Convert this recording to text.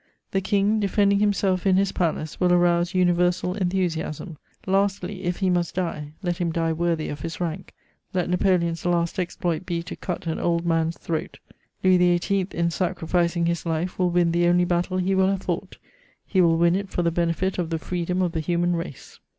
The King, defending himself in his palace, will arouse universal enthusiasm. Lastly, if he must die, let him die worthy of his rank; let Napoleon's last exploit be to cut an old man's throat. Louis XVIII., in sacrificing his life, will win the only battle he will have fought; he will win it for the benefit of the freedom of the human race."